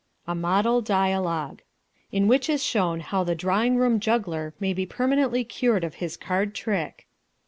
A Model Dialogue In which is shown how the drawing room juggler may be permanently cured of his card trick.